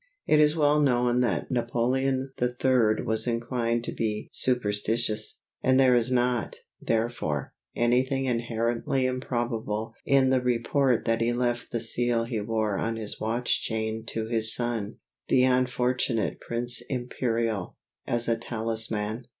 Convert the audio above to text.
It is well known that Napoleon III was inclined to be superstitious, and there is not, therefore, anything inherently improbable in the report that he left the seal he wore on his watch chain to his son, the unfortunate Prince Imperial, as a talisman.